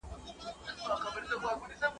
د ساندو له کوګله زمزمې دي چي راځي.